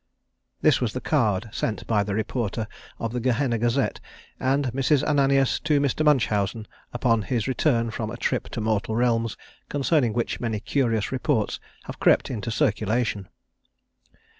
_ This was the card sent by the reporter of the Gehenna Gazette, and Mrs. Ananias to Mr. Munchausen upon his return from a trip to mortal realms concerning which many curious reports have crept into circulation.